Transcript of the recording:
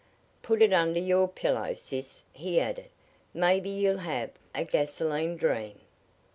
"Put it under your pillow, sis," he added. "Maybe you'll have a gasolene dream."